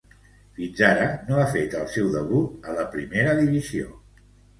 Fins ara no ha fet el seu debut a la primera divisió.